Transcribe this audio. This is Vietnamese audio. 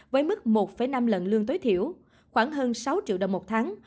với mức một năm lần lương tối thiểu khoảng hơn sáu triệu đồng một tháng